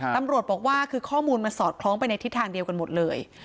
ตำรวจบอกว่าคือข้อมูลมันสอดคล้องไปในทิศทางเดียวกันหมดเลย